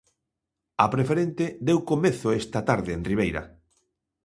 A Preferente deu comezo esta tarde en Ribeira.